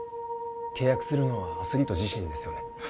契約するのはアスリート自身ですよね